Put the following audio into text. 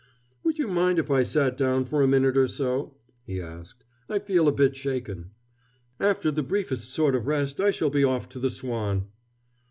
"Would you mind if I sat down for a minute or so?" he asked. "I feel a bit shaken. After the briefest sort of rest I shall be off to the Swan."